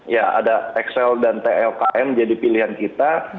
ya ada excel dan tlkm jadi pilihan kita